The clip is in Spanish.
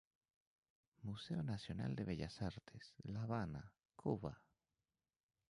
Museo Nacional de Bellas Artes, La Habana, Cuba.